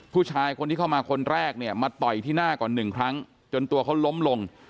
ผู้ชายคนที่เข้ามาคนแรกเนี่ยมาต่อยที่หน้าก่อนหนึ่งครั้งจนตัวเขาล้มลง